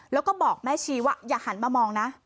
แล้วก็บอกแม่ชีว่าอย่าหันมามองนะ